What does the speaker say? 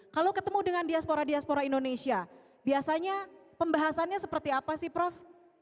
kalau ketemu dengan diaspora diaspora indonesia biasanya pembahasannya seperti apa sih prof